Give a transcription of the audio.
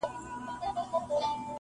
نیکه له پلاره ورکي لاري په میراث راوړي -